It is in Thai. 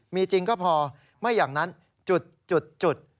มีจริงก็พอไม่อย่างนั้นจุด